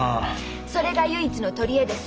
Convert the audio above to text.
それが唯一の取り柄です！